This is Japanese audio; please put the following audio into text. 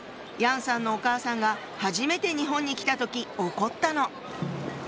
楊さんのお母さんが初めて日本に来た時起こったの。